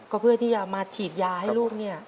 ก็เพื่อที่จะมาฉีดยาให้ลูกเนี่ย